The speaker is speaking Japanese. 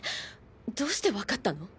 どうしてわかったの。